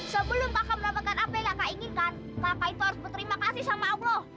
sebelum kakak mendapatkan apa yang kau inginkan kakak itu harus berterima kasih sama allah